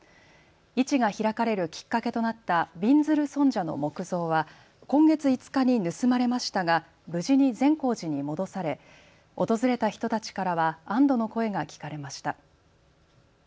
市が開かれるきっかけとなったびんずる尊者の木像は今月５日に盗まれましたが無事に善光寺に戻され訪れた人たちからは安どの声が聞かれました。